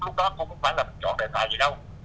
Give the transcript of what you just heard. lúc đó cũng không phải là một trò đề tài gì đâu